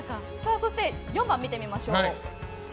そして４番、見てみましょう。